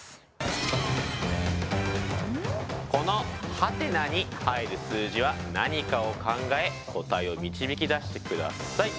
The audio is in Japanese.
このはてなに入る数字は何かを考え答えを導き出してください。